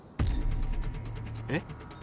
えっ？